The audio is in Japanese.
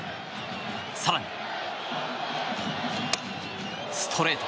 更に、ストレート。